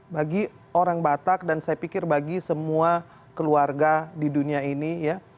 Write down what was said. bagi orang batak dan saya pikir bagi semua keluarga di dunia ini ya